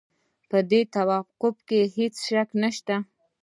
په دې توافق کې هېڅ شک نشته.